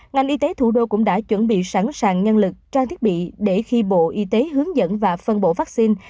ngành y tế thủ đô cũng đã chuẩn bị sẵn sàng nhân lực trang thiết bị để khi bộ y tế hướng dẫn và phân bổ vaccine